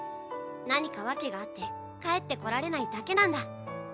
何か訳があって帰って来られないだけなんだ。